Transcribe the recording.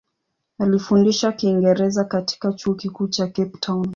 Alifundisha Kiingereza katika Chuo Kikuu cha Cape Town.